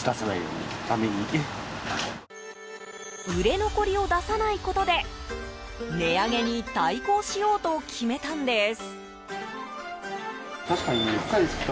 売れ残りを出さないことで値上げに対抗しようと決めたんです。